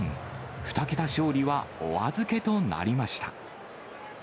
２桁勝利はお預けとなりました。